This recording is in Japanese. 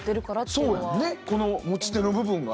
そうやねこの持ち手の部分が。